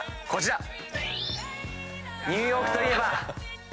こちら！